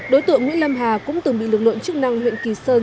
đối tượng nguyễn lâm hà cũng từng bị lực lượng chức năng huyện kỳ sơn